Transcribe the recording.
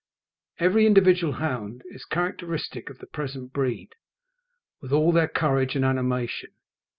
Every individual hound is characteristic of the present breed, with all their courage and animation.